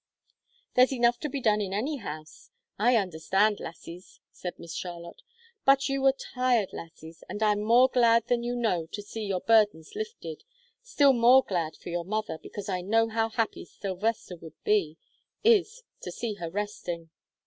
"There's enough to be done in any house; I understand, lassies," said Miss Charlotte. "But you were tired lassies, and I am more glad than you know to see your burdens lifted still more glad for your mother, because I know how happy Sylvester would be is to see her resting."